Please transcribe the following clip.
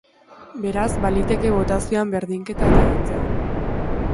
Beraz, baliteke botazioan berdinketa ateratzea.